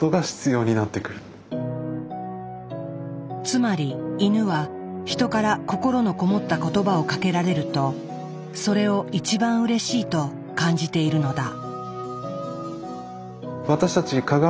つまりイヌはヒトから心のこもった言葉をかけられるとそれを一番うれしいと感じているのだ。